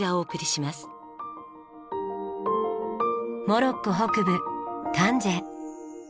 モロッコ北部タンジェ。